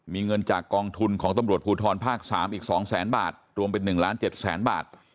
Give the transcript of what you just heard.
มีเงินจากกองทุนของตำรวจภูทรภาคสามอีกสองแสนบาทรวมเป็นหนึ่งล้านเจ็ดแสนบาท